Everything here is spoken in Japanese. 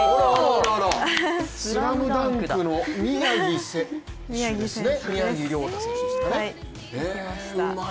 「ＳＬＡＭＤＵＮＫ」の宮城リョータ選手ですね。